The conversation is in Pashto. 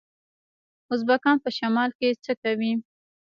ازبکان په شمال کې څه کوي؟